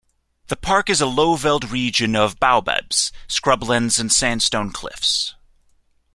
The park is a lowveld region of baobabs, scrublands and sandstone cliffs.